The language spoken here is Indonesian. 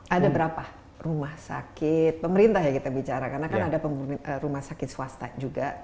ada berapa rumah sakit pemerintah ya kita bicara karena kan ada rumah sakit swasta juga